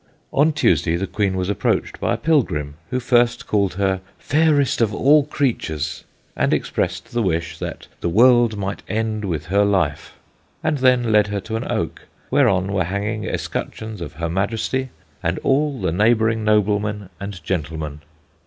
On Tuesday, the Queen was approached by a pilgrim, who first called her "Fairest of all creatures," and expressed the wish that the world might end with her life and then led her to an oak whereon were hanging escutcheons of her Majesty and all the neighbouring noblemen and gentlemen.